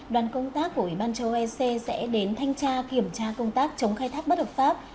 đoàn công tác của ủy ban châu âu ec sẽ đến thanh tra kiểm tra công tác chống khai thác bất hợp pháp